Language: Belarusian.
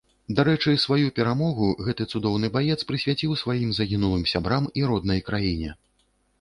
Дарэчы, сваю перамогу гэты цудоўны баец прысвяціў сваім загінулым сябрам і роднай краіне.